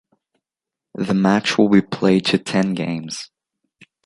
The match will be played to ten games.